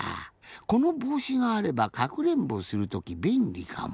このぼうしがあればかくれんぼするときべんりかも。